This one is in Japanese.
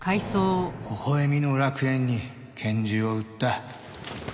微笑みの楽園に拳銃を売った。